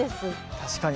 確かに。